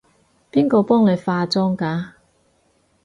邊個幫你化妝㗎？